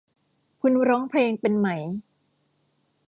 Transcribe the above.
คุณร้องเพลงเป็นไหม